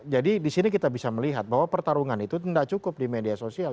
jadi di sini kita bisa melihat bahwa pertarungan itu tidak cukup di media sosial